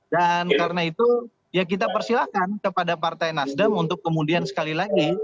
dan karena itu ya kita persilahkan kepada partai nasdem untuk kemudian sekali lagi